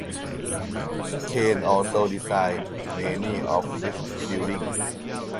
Crane also designed many office buildings.